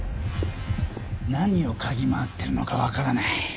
何を嗅ぎ回ってるのか分からない。